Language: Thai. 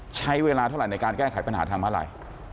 ใช้เวลาเท่าไหร่ในการแก้ไขปัญหาทางมาลัย